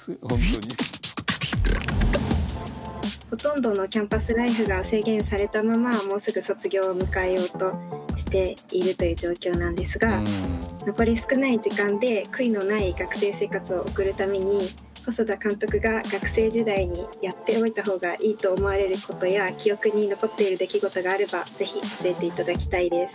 ほとんどのキャンパスライフが制限されたままもうすぐ卒業を迎えようとしているという状況なんですが残り少ない時間で悔いのない学生生活を送るために細田監督が学生時代にやっておいた方がいいと思われることや記憶に残っている出来事があればぜひ教えて頂きたいです。